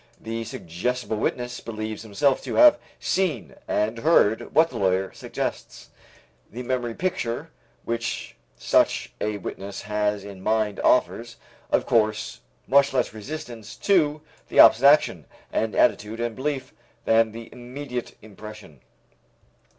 The suggestible witness believes himself to have seen and heard what the lawyer suggests. The memory picture which such a witness has in mind offers, of course, much less resistance to the opposite action and attitude and belief than the immediate impression.